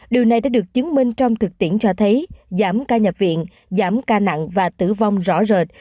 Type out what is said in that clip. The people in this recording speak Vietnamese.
điều này đã được chứng minh trong thực tiễn cho thấy giảm ca nhập viện giảm ca nặng và tử vong rõ rệt